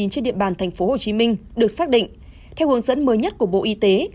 trên địa bàn thành phố hồ chí minh được xác định theo hướng dẫn mới nhất của bộ y tế